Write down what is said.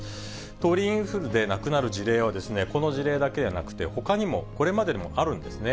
鳥インフルで亡くなる事例は、この事例だけじゃなくて、ほかにもこれまでにもあるんですね。